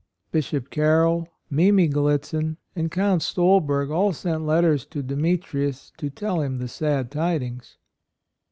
Bishop Carroll, Mimi Gallitzin, and Count Stol berg all sent letters to Demetrius to tell him the sad tidings.